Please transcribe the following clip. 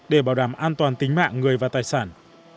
để bảo đảm an toàn tính mạng người và tài sản